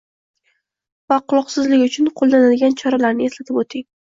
va quloqsizligi uchun qo‘llanadigan choralarni eslatib o‘ting.